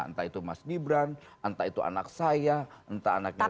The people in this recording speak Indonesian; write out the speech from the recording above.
entah itu mas gibran entah itu anak saya entah anaknya